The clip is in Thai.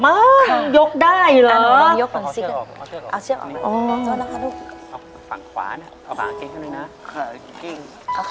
ไม่จริงหรอกเหมือนยกได้เหรอ